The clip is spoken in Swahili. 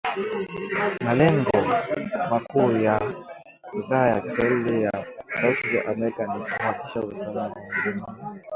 Malengo makuu ya Idhaa ya kiswahili ya Sauti ya Amerika ni kuhakikisha usawa wa jinsia kwenye matangazo yetu kwa kuongeza sauti za wanawake na kuwashirikisha zaidi vijana